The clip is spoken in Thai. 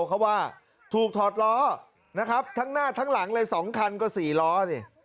เขาว่าถูกถอดล้อนะครับทั้งหน้าทั้งหลังเลย๒คันก็๔ล้อนี่